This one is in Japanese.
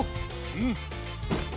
うん！